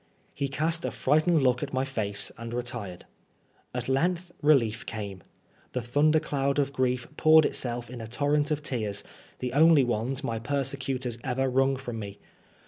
He cast a frightened look at my face and retired. At length 154 PBI80NEB FOB BLASPHEMY. relief came. The thnnder dond of grief poured itself in a torrent of tears, the only ones my persecutors ever wrung from me.